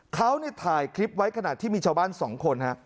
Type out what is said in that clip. เขาถ่ายคลิปไว้ขณะที่มีชาวบ้าน๒คน